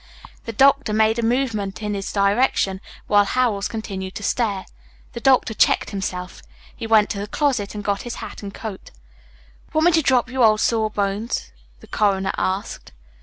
The doctor made a movement in his direction while Howells continued to stare. The doctor checked himself. He went to the closet and got his hat and coat. "Want me to drop you, old sawbones?" the coroner asked.